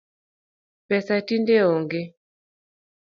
Pesa tinde onge